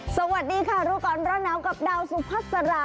สวัสดีค่ะรูปกรณ์เราหนาวกับดาวสูภาษาละ